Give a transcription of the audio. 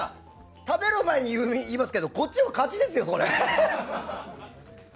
食べる前に言いますけどこっちの勝ちですよ、これ。